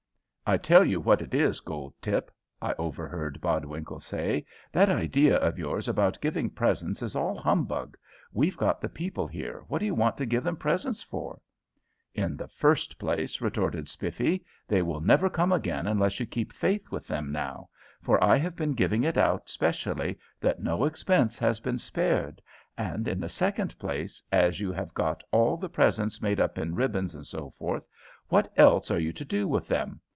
"I tell you what it is, Goldtip," I overheard Bodwinkle say, "that idea of yours about giving presents is all humbug; we've got the people here, what do you want to give them presents for?" "In the first place," retorted Spiffy, "they will never come again unless you keep faith with them now, for I have been giving it out specially that no expense was to be spared; and in the second place, as you have got all the presents made up in ribbons, &c., what else are you to do with them?